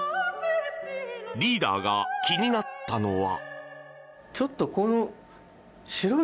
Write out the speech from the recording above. リーダーが気になったのは。